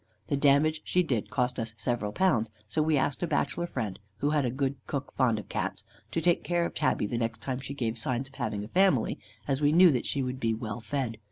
The damage she did cost us several pounds; so we asked a bachelor friend, who had a good cook, fond of Cats, to take care of tabby the next time she gave signs of having a family, as we knew that she would be well fed.